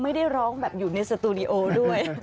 ไม่ได้ร้องแบบอยู่ในสตูดิโอด้วย